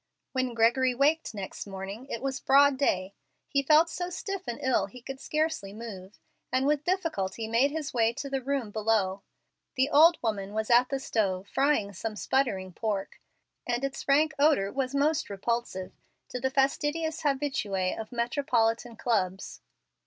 When Gregory waked next morning, it was broad day. He felt so stiff and ill he could scarcely move, and with difficulty made his way to the room below. The old woman was at the stove, frying some sputtering pork, and its rank odor was most repulsive to the fastidious habitue of metropolitan clubs.